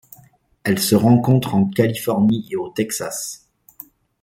Elle se rencontre en Californie et au Texas.